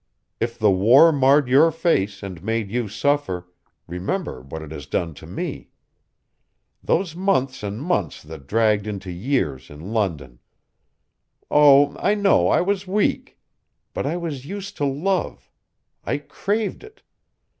If the war marred your face and made you suffer, remember what it has done to me. Those months and months that dragged into years in London. Oh, I know I was weak. But I was used to love. I craved it.